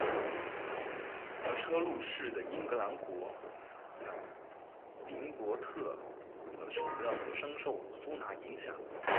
而车路士的英格兰国脚林柏特则承认深受苏拿影响。